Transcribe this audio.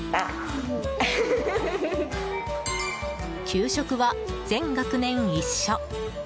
給食は全学年一緒。